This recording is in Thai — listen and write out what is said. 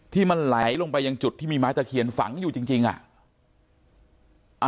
ที่มันไหลลงไปยังจุดที่มีไม้ตะเคียนฝังอยู่จริงอ่ะ